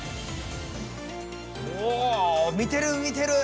お見てる見てる！